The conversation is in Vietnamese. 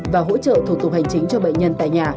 và hỗ trợ thủ tục hành chính cho bệnh nhân tại nhà